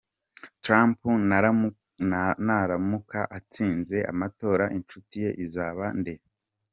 Trump naramuka atsinze amatora inshuti ye izaba nde?.